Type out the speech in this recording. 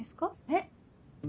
えっ？